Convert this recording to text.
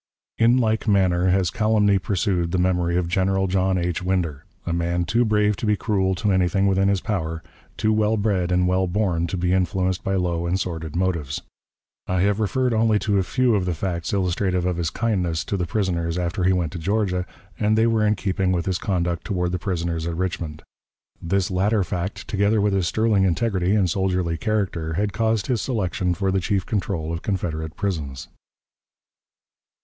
In like manner has calumny pursued the memory of General John H. Winder, a man too brave to be cruel to anything within his power, too well bred and well born to be influenced by low and sordid motives. I have referred only to a few of the facts illustrative of his kindness to the prisoners after he went to Georgia, and they were in keeping with his conduct toward the prisoners at Richmond. This latter fact, together with his sterling integrity and soldierly character, had caused his selection for the chief control of Confederate prisons.